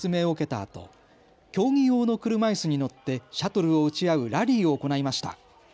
あと競技用の車いすに乗ってシャトルを打ち合うラリーを行いました。